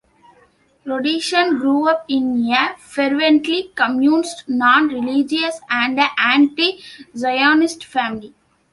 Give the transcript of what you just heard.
Rodinson grew up in a fervently Communist, non-religious and anti-Zionist family.